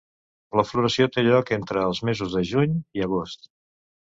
La floració té lloc entre els mesos de juny i agost.